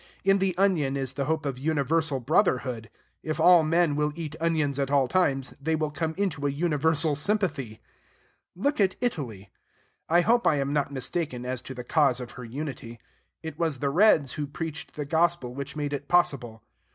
In the onion is the hope of universal brotherhood. If all men will eat onions at all times, they will come into a universal sympathy. Look at Italy. I hope I am not mistaken as to the cause of her unity. It was the Reds who preached the gospel which made it possible.